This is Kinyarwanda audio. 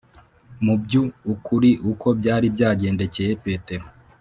mu byu ukuri uko byari byagendekeye Petero